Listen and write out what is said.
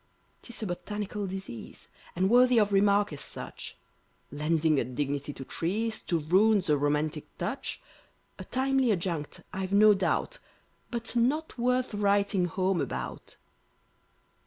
'Tis a botanical disease, And worthy of remark as such; Lending a dignity to trees, To ruins a romantic touch. A timely adjunct, I've no doubt, But not worth writing home about.